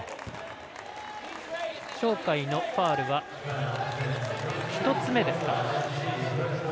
鳥海のファウル１つ目です。